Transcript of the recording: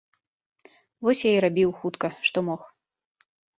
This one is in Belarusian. Вось я і рабіў хутка, што мог.